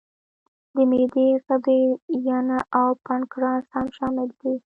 د معدې غدې، ینه او پانکراس هم شامل دي.